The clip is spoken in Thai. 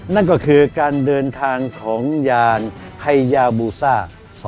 นั่นก็คือการเดินทางของยานไฮยาบูซ่า